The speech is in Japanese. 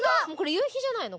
夕日じゃないの？